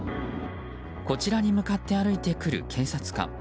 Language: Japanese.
こちらに向かって歩いてくる警察官。